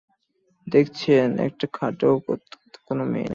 দেখেছেন, একটা খাটেও কোনো মেয়ে নাই।